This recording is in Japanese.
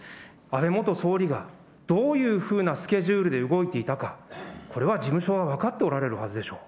安倍元総理がどういうふうなスケジュールで動いていたか、これは事務所は分かっておられるはずでしょ。